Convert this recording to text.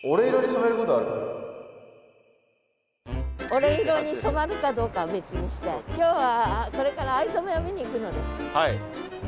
俺色に染まるかどうかは別にして今日はこれから藍染めを見に行くのです。